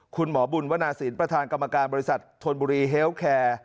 คุณหมอบุญวนาศิลป์ประธานกรรมการบริษัทธนบุรีเฮลแคร์